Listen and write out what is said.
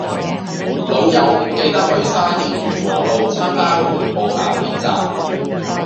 老友唔記得去沙田源禾路參加緩步跑練習